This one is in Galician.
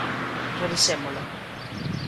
Revisémolo.